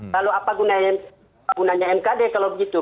lalu apa gunanya mkd kalau begitu